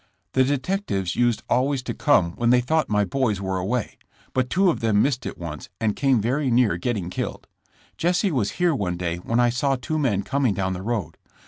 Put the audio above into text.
The detec tives used always to come when they thought my boys were away, but two of them missed it once and came very near getting killed. Jesse was here one day when I saw two men coming down the road.